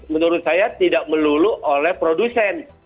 menurut saya tidak melulu oleh produsen